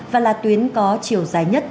và là tuyến có chiều dài nhất